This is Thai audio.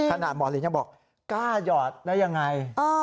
หมอลินยังบอกกล้าหยอดได้ยังไง